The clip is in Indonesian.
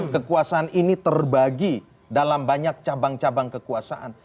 kekuasaan ini terbagi dalam banyak cabang cabang kekuasaan